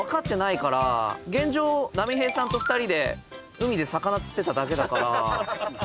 波平さんと２人で海で魚釣ってただけだから。